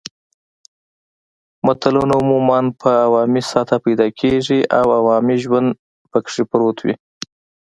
متلونه عموماً په عوامي سطحه پیدا کیږي او عوامي ژوند پکې پروت وي